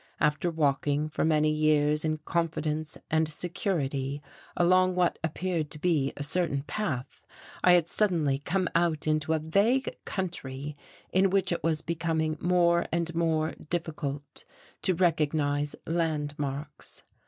After walking for many years in confidence and security along what appeared to be a certain path, I had suddenly come out into a vague country in which it was becoming more and more difficult to recognize landmarks.